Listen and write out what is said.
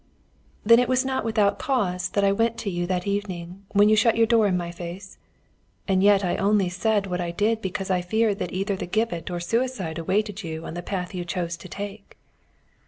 "Then it was not without cause that I went to you that evening when you shut your door in my face? And yet I only said what I did because I feared that either the gibbet or suicide awaited you on the path you chose to take."